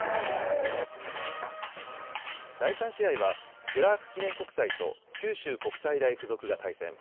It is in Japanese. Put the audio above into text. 第３試合はクラーク記念国際と九州国際大付属が対戦。